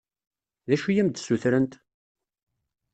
D acu i am-d-ssutrent?